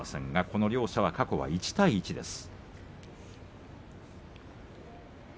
この両者は過去１対１です。